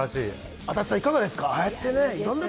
足立さん、いかがですか？